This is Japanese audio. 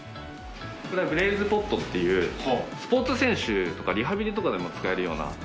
これはＢＬＡＺＥＰＯＤっていうスポーツ選手とかリハビリとかでも使えるような。